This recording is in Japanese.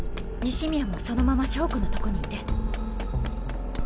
西宮もそのまま硝子のとこにいて。